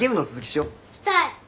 したい。